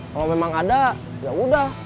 kalau memang ada ya udah